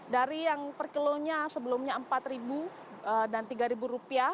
dari yang per kilonya sebelumnya rp empat dan rp tiga